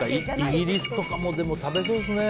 イギリスとかも食べそうですけどね。